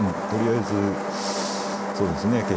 とりあえずそうですね